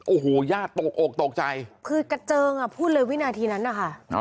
โอ้โหญาติตกอกตกใจคือกระเจิงอ่ะพูดเลยวินาทีนั้นนะคะ